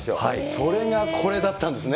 それがこれだったんですね。